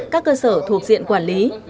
các cơ sở thuộc diện quản lý